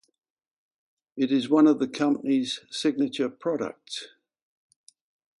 It is one of the company's signature products.